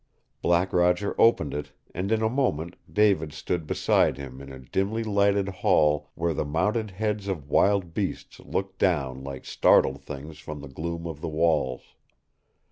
Black Roger opened it, and in a moment David stood beside him in a dimly lighted hall where the mounted heads of wild beasts looked down like startled things from the gloom of the walls.